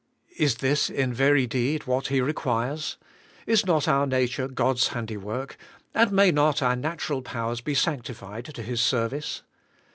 Is this in very deed what He requires? Is not onr nature God's handiwork, and may not our natural powers be sanctified to His service?